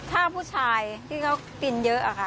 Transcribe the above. ถ้าผู้ชายที่เขากินเยอะอะค่ะ